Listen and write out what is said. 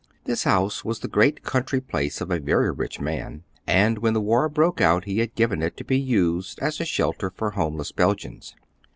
This house was the great country place of a very rich man, and when the war broke out he had given it to be used as a shelter for homeless Belgians.